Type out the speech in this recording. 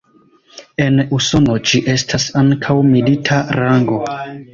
En Usono ĝi estas ankaŭ milita rango.